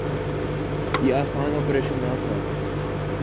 یہ آسان آپریشن نہ تھا۔